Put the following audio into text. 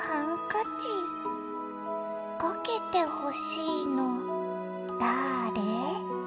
「かけてほしいのだあれ？」